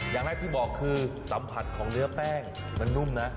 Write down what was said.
อย่างแรกที่บอกคือสัมผัสของเนื้อแป้งมันนุ่มนะ